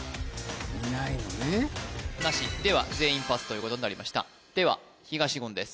いないのねなしでは全員パスということになりましたでは東言です